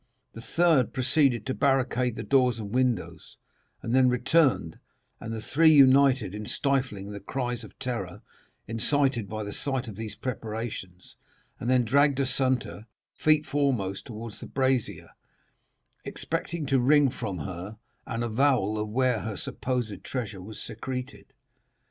The third proceeded to barricade the doors and windows, then returned, and the three united in stifling the cries of terror incited by the sight of these preparations, and then dragged Assunta feet foremost towards the brazier, expecting to wring from her an avowal of where her supposed treasure was secreted.